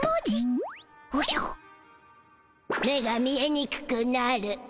目が見えにくくなる。